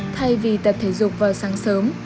thay vì tập thể dục vào sáng sớm